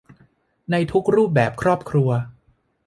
ในทุกรูปแบบครอบครัว